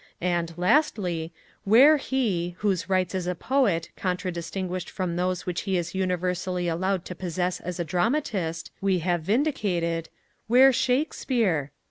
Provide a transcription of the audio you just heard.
and, lastly, where he, whose rights as a poet, contra distinguished from those which he is universally allowed to possess as a dramatist, we have vindicated, where Shakespeare?